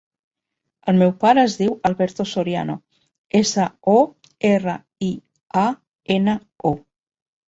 El meu pare es diu Alberto Soriano: essa, o, erra, i, a, ena, o.